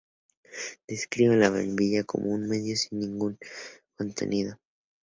Describe a la bombilla como un medio sin ningún contenido.